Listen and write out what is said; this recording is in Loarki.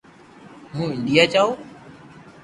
ھون انڌيا جاو